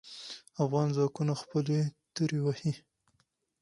افغان ځواکونه خپلې تورو وهې.